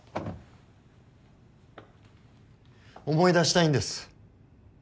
思い出したいんです。